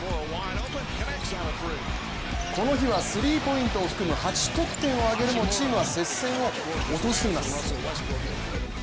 この日はスリーポイントを含む８得点を挙げるもチームは接戦を落としています。